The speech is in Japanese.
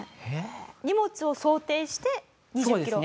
荷物を想定して２０キロ？